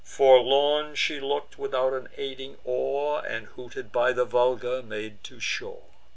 Forlorn she look'd, without an aiding oar, And, houted by the vulgar, made to shore.